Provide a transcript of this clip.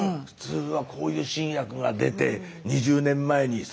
普通はこういう新薬が出て２０年前に。